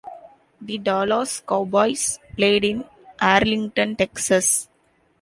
The Dallas Cowboys play in Arlington, Texas.